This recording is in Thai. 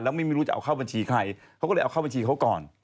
แล้วไม่รู้จะเอาเข้าบัญชีใครเขาก็เลยเอาเข้าบัญชีเขาก่อน